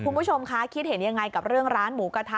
คุณผู้ชมคะคิดเห็นยังไงกับเรื่องร้านหมูกระทะ